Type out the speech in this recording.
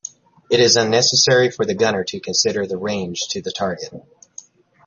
It is unnecessary for the gunner to consider the range to the target.